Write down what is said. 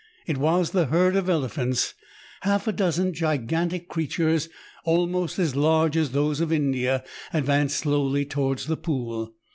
It was the herd of elephants. Half a dozen gigantic creatures, almost as large as those of India, advanced slowly towards the pool.